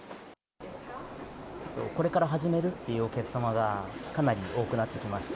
これから始めるっていうお客様がかなり多くなってきました。